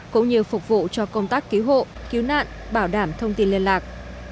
cũng như phục vụ cho công tác cứu hộ cứu nạn bảo đảm thông tin liên lạc